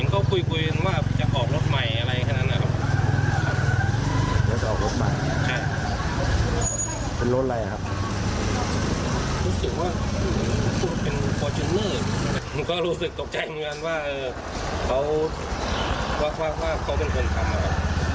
ก็รู้สึกตกใจเงินว่าเขาเป็นคนขับมา